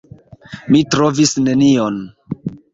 Mi trovis nenion.